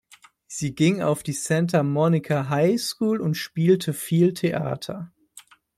Sie ging auf die Santa Monica High School und spielte viel Theater.